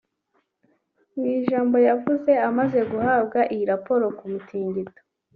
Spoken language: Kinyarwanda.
Mu ijambo yavuze amaze guhabwa iyi raporo ku mutingito